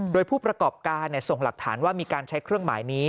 โดยผู้ประกอบการส่งหลักฐานว่ามีการใช้เครื่องหมายนี้